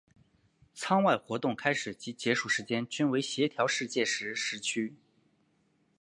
舱外活动开始及结束时间均为协调世界时时区。